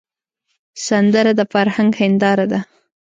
سندره د فرهنګ هنداره ده